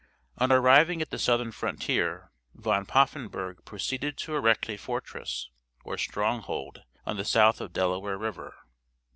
On arriving at the southern frontier, Van Poffenburgh proceeded to erect a fortress, or stronghold, on the South of Delaware river.